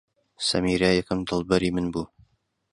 سەمیرە یەکەم دڵبەری من بوو.